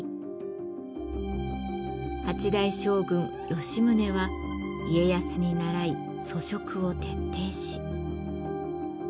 ８代将軍吉宗は家康に倣い粗食を徹底し。